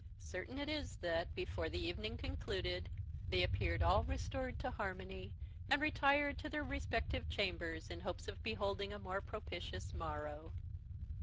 Certain it is that, before the evening concluded, they appeared all restored to harmony, and retired to their respective chambers in hopes of beholding a more propitious morrow.